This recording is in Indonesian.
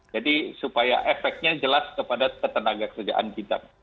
jadi supaya efeknya jelas kepada tenaga kerjaan kita